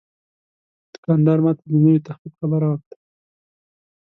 دوکاندار ماته د نوې تخفیف خبره وکړه.